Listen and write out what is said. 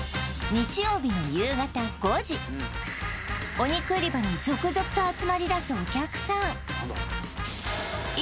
お肉売り場に続々と集まりだすお客さん